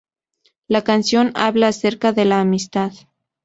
La canción habla acerca de la amistad.